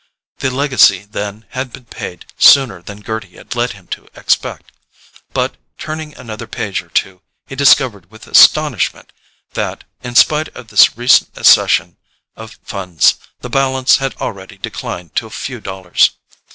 The legacy, then, had been paid sooner than Gerty had led him to expect. But, turning another page or two, he discovered with astonishment that, in spite of this recent accession of funds, the balance had already declined to a few dollars.